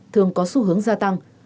thường có xu hướng gia tăng